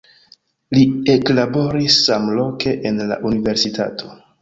Li eklaboris samloke en la universitato.